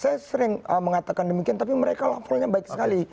saya sering mengatakan demikian tapi mereka levelnya baik sekali